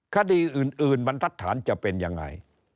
คดีอื่นมันรัฐฐานจะเป็นยังไง